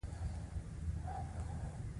هغه په پوهنتون کې انجینري لولي او بریالۍ ده